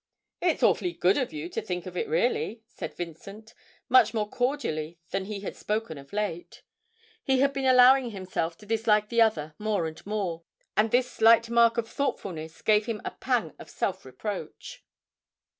'It's awfully good of you to think of it, really,' said Vincent, much more cordially than he had spoken of late. He had been allowing himself to dislike the other more and more, and this slight mark of thoughtfulness gave him a pang of self reproach.